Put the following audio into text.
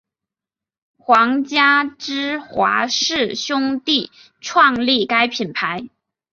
皇家芝华士兄弟创立该品牌。